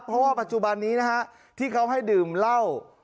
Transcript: เพราะว่าปัจจุบันนี้นะฮะที่เขาให้ดื่มเหล้า